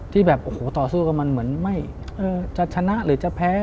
ที่แบบโอ้โหต่อสู้กับมันเหมือนไม่จะชนะหรือจะแพ้